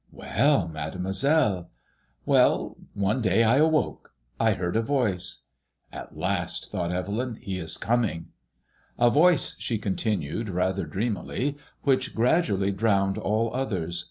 « Well, Mademoiselle !" "Well, one day I awoke. I heard a voice." "At last," thought Evelyn, " he is coming." " A voice," she continued, rather dreamily, "which gradu ally drowned all others.